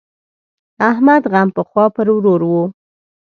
احمد غم پخوا پر ورور وو.